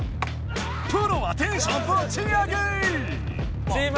プロはテンションぶち上げ！